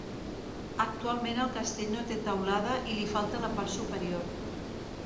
Actualment el castell no té teulada i li falta la part superior.